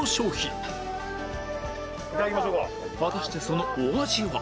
果たしてそのお味は？